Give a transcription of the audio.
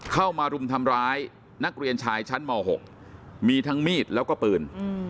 เข้ามารุมทำร้ายนักเรียนชายชั้นม๖มีทั้งมีดแล้วก็ปืน